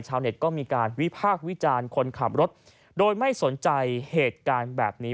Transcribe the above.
เน็ตก็มีการวิพากษ์วิจารณ์คนขับรถโดยไม่สนใจเหตุการณ์แบบนี้